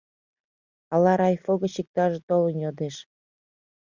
Ала райфо гыч иктаже толын йодеш...